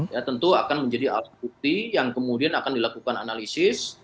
ya tentu akan menjadi alat bukti yang kemudian akan dilakukan analisis